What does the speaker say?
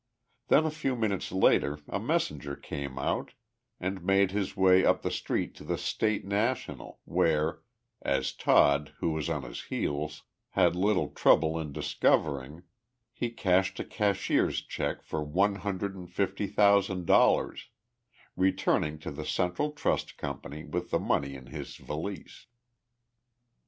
Then, a few minutes later, a messenger came out and made his way up the street to the State National, where as Todd, who was on his heels had little trouble in discovering he cashed a cashier's check for one hundred and fifty thousand dollars, returning to the Central Trust Company with the money in his valise.